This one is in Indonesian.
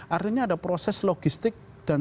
artinya ada proses logistik dan